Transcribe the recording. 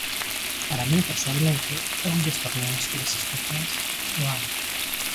Para min persoalmente é un dos torneos máis especiais do ano.